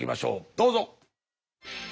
どうぞ！